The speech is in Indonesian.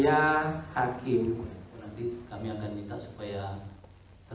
kami akan minta supaya